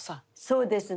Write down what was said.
そうですね。